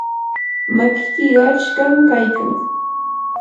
makiki qachqam kaykan.